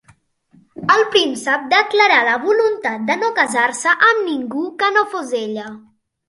El príncep declarà la voluntat de no casar-se amb ningú que no fos ella.